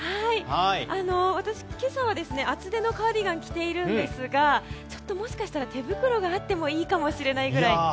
私、今朝は厚手のカーディガンを着ているんですがもしかしたら手袋があってもいいかもしれないくらい。